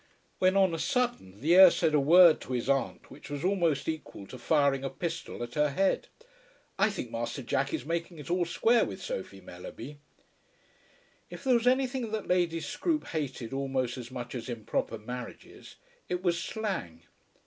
When, on a sudden, the heir said a word to his aunt which was almost equal to firing a pistol at her head. "I think Master Jack is making it all square with Sophie Mellerby." If there was anything that Lady Scroope hated almost as much as improper marriages it was slang.